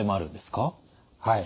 はい。